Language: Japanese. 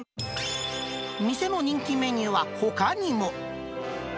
店の人気メニューはほかにも。